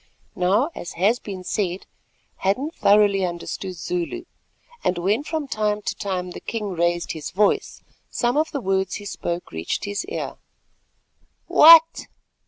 Now, as has been said, Hadden thoroughly understood Zulu; and, when from time to time the king raised his voice, some of the words he spoke reached his ear. "What!"